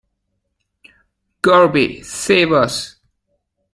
Gorby, save us!